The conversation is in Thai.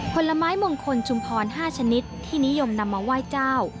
ผลไม้มงคลชุมพร๕ชนิดที่นิยมนำมาไหว้เจ้า